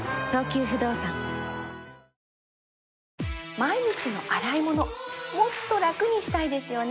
毎日の洗い物もっと楽にしたいですよね